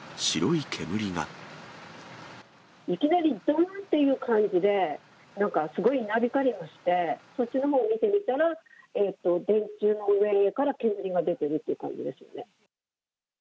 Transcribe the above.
いきなりどーんっていう感じで、なんかすごい稲光がして、そっちのほうを見てみたら、電柱の上のほうから煙が出てるって感じですよね。